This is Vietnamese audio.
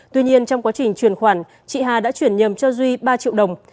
tuy nhiên trong quá trình chuyển khoản chị hà đã chuyển nhầm cho duy ba triệu đồng